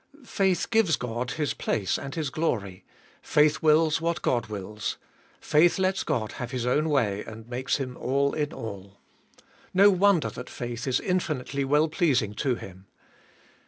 Faith gives God His place and His glory ; faith wills what God wills ; faith lets God have His own way, and makes Him all in all. No wonder that faith is infinitely well pleasing to Him.